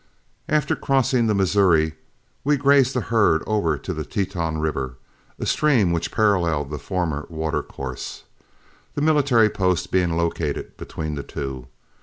After crossing the Missouri, we grazed the herd over to the Teton River, a stream which paralleled the former watercourse, the military post being located between the two.